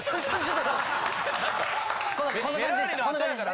こんな感じでした。